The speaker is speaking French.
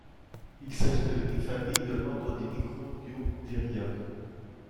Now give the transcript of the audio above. Il s'agit de l'unique famille de l'ordre des Microbiotheria.